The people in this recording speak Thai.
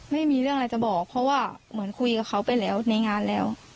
ไม่มีเรื่องอะไรจะบอกเพราะว่าเหมือนคุยกับเขาไปแล้วในงานแล้ว